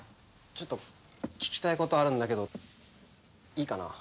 ちょっと聞きたいことあるんだけどいいかな？